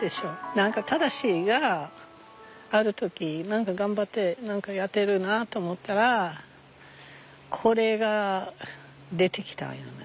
何か正がある時頑張って何かやってるなと思ったらこれが出てきたんよな。